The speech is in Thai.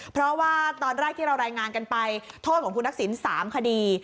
เพราะว่าตอนแรกที่เรารายงานกันไปโทษของคุณทักษิณ๓คดี